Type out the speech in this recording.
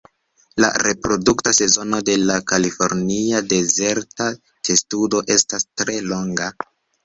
La reprodukta sezono de la Kalifornia dezerta testudo estas tre longa.